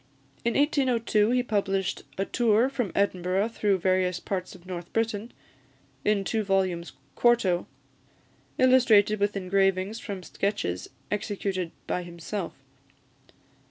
In 1802 he published "A Tour from Edinburgh through various parts of North Britain," in two volumes quarto, illustrated with engravings from sketches executed by himself.